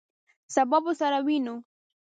سبا به سره ووینو!